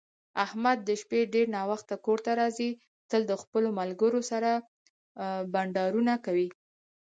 احمد د شپې ډېر ناوخته کورته راځي، تل د خپلو ملگرو سره بنډارونه کوي.